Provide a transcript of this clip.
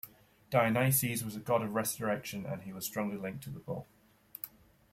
Dionysus was a god of resurrection and he was strongly linked to the bull.